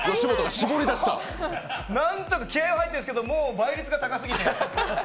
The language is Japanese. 何とか気合い入ってるんですけど、倍率が高くて。